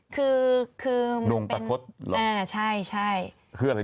คือคือลุงประคดเหรออ่าใช่ใช่คืออะไร